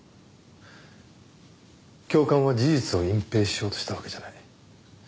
教官は事実を隠蔽しようとしたわけじゃない。